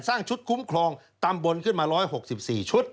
ชุดคุ้มครองตำบลขึ้นมา๑๖๔ชุด